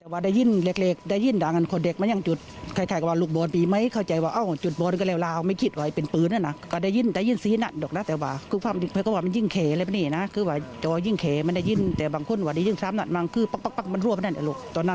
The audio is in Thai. พอได้ยิงเสียงปืนก็ถึงสักเดี๋ยวพ่อยิงเสียงปืน